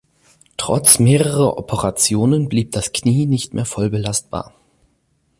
Trotz mehrerer Operationen blieb das Knie nicht mehr voll belastbar.